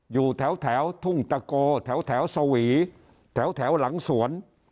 อยู่แถวทุ่งตะโกแถวสวีแถวหลังสวน